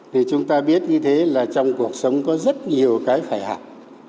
thì chúng ta biết như thế là trong cuộc sống có rất nhiều cái phải học